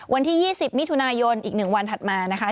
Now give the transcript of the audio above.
วันที่๒๐มิถุนายนอีก๑วันถัดมานะคะ